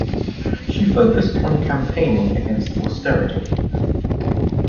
She focused on campaigning against austerity.